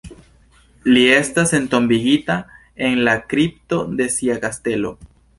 Li estas entombigita en la kripto de sia kastelo.